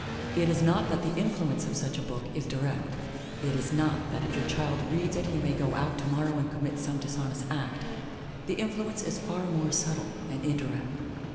It is not that the influence of such a book is direct; it is not that if your child reads it he may go out tomorrow and commit some dishonest act; the influence is far more subtle and indirect.